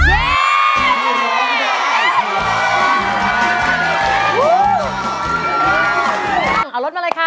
เอารถมาเลยค่ะ